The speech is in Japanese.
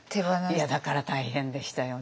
いやだから大変でしたよ。